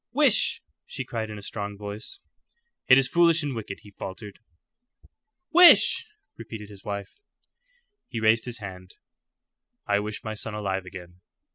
"Wish!" she cried, in a strong voice. "It is foolish and wicked," he faltered. "Wish!" repeated his wife. He raised his hand. "I wish my son alive again."